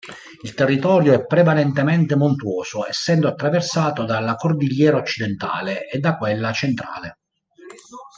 Il territorio è prevalentemente montuoso essendo attraversato dalla Cordigliera Occidentale e da quella Centrale.